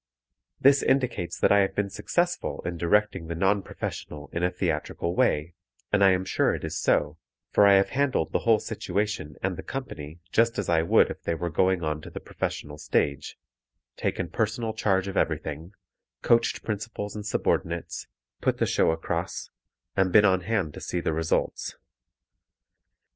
This indicates that I have been successful in directing the non professional in a theatrical way, and I am sure it is so, for I have handled the whole situation and the "company" just as I would if they were going on the professional stage, taken personal charge of everything, coached principals and subordinates, put the show across, and been on hand to see the results.